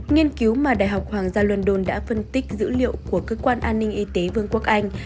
nghiên cứu mà đại học hoàng gia london đã phân tích dữ liệu của cơ quan an ninh y tế vương quốc anh